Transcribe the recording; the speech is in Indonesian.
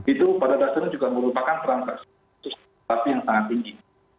itu pada dasarnya juga merupakan transaksi yang sangat tinggi